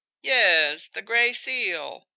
. Yes. ... The Gray Seal. .